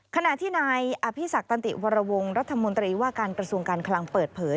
ขณะที่นายอภิษักตันติวรวงรัฐมนตรีว่าการกระทรวงการคลังเปิดเผย